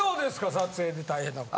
撮影で大変なこと。